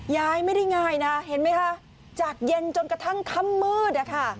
ย้ายไม่ได้ง่ายนะเห็นไหมคะจากเย็นจนกระทั่งค่ำมืดอะค่ะ